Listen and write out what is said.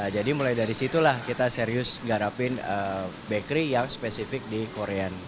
jadi mulai dari situlah kita serius garapin bakery yang spesifik di korea